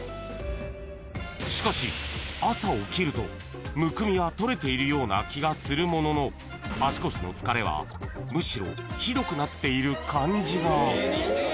［しかし朝起きるとむくみは取れているような気がするものの足腰の疲れはむしろひどくなっている感じが］